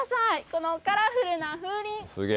このカラフルな風鈴。